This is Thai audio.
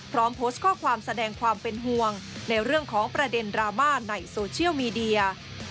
พร้อมโพสต์ข้อความแสดงความเป็นห่วงในเรื่องของประเด็นดราม่าในโซเชียลมีเดีย